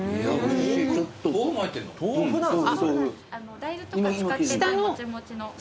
大豆とか使ってないもちもちの。